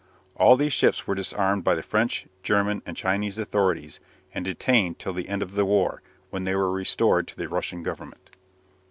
All these ships were disarmed by the French, German, and Chinese authorities, and detained till the end of the war, when they were restored to the Russian Government.